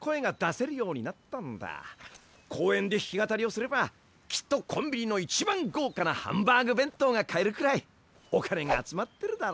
公園でひき語りをすればきっとコンビニの一番ごうかなハンバーグ弁当が買えるくらいお金が集まってるだろ。